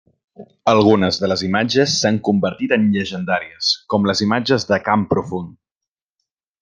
Algunes de les imatges s'han convertit en llegendàries, com les imatges de Camp Profund.